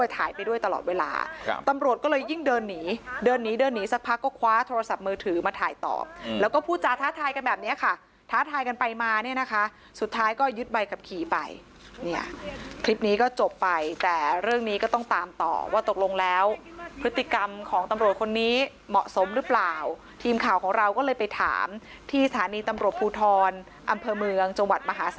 ตำรวจก็เลยยิ่งเดินหนีเดินหนีเดินหนีสักพักก็คว้าโทรศัพท์มือถือมาถ่ายต่อแล้วก็พูดจาท้าทายกันแบบเนี้ยค่ะท้าทายกันไปมาเนี้ยนะคะสุดท้ายก็ยึดไปกับขี่ไปเนี้ยคลิปนี้ก็จบไปแต่เรื่องนี้ก็ต้องตามต่อว่าตกลงแล้วพฤติกรรมของตำรวจคนนี้เหมาะสมหรือเปล่าทีมข่าวของเราก็เลยไปถามที่สถานีตำรว